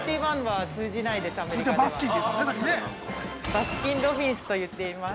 ◆バスキン・ロビンスと言っています。